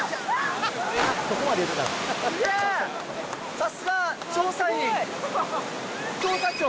さすが調査員。